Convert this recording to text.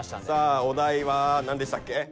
さあお題は何でしたっけ？